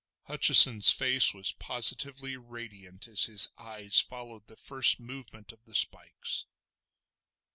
Hutcheson's face was positively radiant as his eyes followed the first movement of the spikes.